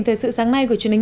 thân ái chào tạm biệt